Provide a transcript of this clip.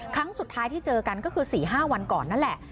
ครั้งสุดท้ายที่เจอกันก็คือ๔๕วันก่อนนั่นแหละ